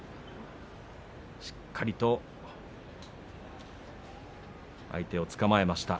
しっかりと相手をつかまえました。